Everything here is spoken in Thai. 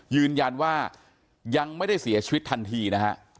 ยืนยันว่ายังไม่ได้เสียชีวิตทันทีนะฮะ